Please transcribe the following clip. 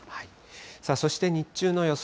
そして日中の予想